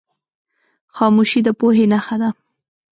خاموشي، د پوهې نښه ده.